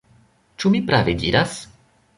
Ĉu mi prave diras?